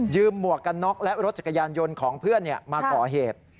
หมวกกันน็อกและรถจักรยานยนต์ของเพื่อนมาก่อเหตุ